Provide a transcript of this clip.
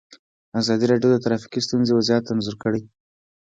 ازادي راډیو د ټرافیکي ستونزې وضعیت انځور کړی.